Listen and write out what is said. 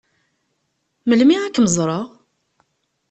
Melmi ad kem-ẓṛeɣ?